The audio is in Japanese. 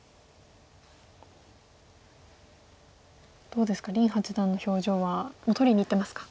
どうですか林八段の表情はもう取りにいってますか。